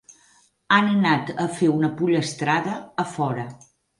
Han anat a fer una pollastrada a fora.